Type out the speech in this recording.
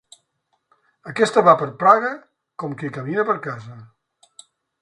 Aquesta va per Praga com qui camina per casa.